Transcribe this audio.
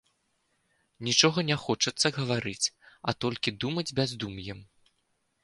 Нічога не хочацца гаварыць, а толькі думаць бяздум'ем.